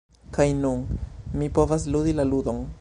Kaj nun, mi povas ludi la ludon!